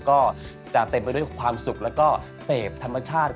ก็จะเต็มไปด้วยความสุขแล้วก็เสพธรรมชาติ